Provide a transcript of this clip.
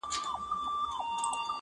يوه ورځ پر اوداسه ناست پر گودر وو!.